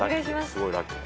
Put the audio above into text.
すごいラッキー。